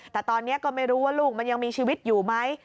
แต่ตอนนี้ก็ไม่รู้ว่าลูกมันยังมีชีวิตอยู่ไหม